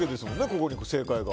ここに、正解が。